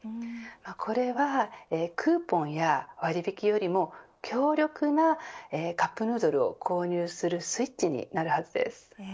これは、クーポンや割引よりも強力なカップヌードルを購入するスイッチになるはずです。